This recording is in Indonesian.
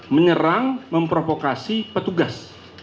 menyerang memprovokasi petugas